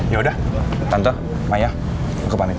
ya udah tante maya aku pamit